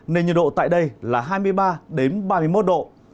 nên nhiệt độ tại đây là hai mươi ba ba mươi một độ